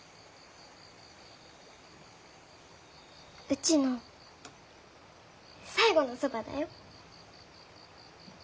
うちの最後のそばだよ。